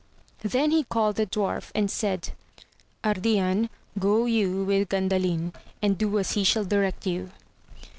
Then he called the dwarf, and said, Ardian go you with Gandalin, and do as he shall direct you.